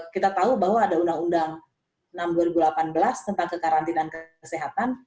kita tahu bahwa ada undang undang enam dua ribu delapan belas tentang kekarantinaan kesehatan